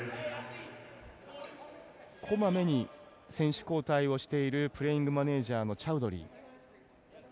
こまめに選手交代をしているプレイングマネージャーのチャウドリー。